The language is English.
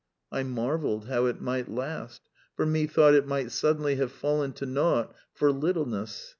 I marvelled how it might last, for methought it might suddenly have fallen to naught for lit tle (ness).